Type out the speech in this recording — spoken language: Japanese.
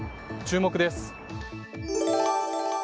注目です。